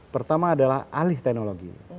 pertama adalah alih teknologi